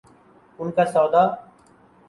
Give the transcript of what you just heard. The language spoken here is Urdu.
ان کا سودا؟